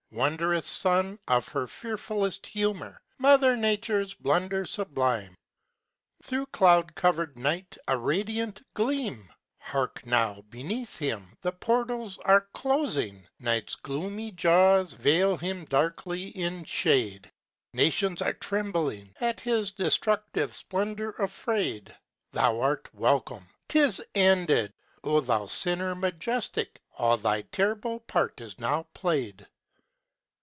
Wondrous son of her fearfulest humor, Mother Nature's blunder sublime! Through cloud covered night a radiant gleam! Hark how behind him the portals are closing! Night's gloomy jaws veil him darkly in shade! Nations are trembling, At his destructive splendor afraid! Thou art welcome! 'Tis ended! Oh thou sinner majestic, All thy terrible part is now played!